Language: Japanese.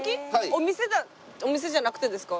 お店お店じゃなくてですか？